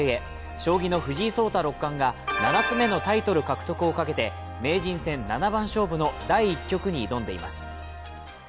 将棋の藤井聡太六冠が７つ目のタイトル獲得をかけて名人戦七番勝負の第１局に挑んでいます。